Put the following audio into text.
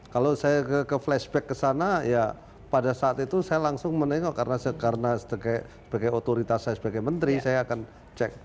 kalau saya ke flashback ke sana ya pada saat itu saya langsung menengok karena sebagai otoritas saya sebagai menteri saya akan cek